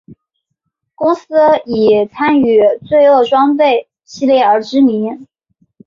公司以参与罪恶装备系列而知名。